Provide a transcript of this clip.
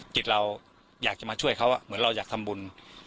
จิตเราอยากจะมาช่วยเขาเหมือนเราอยากทำบุญ